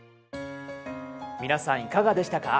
皆さんいかがでしたか？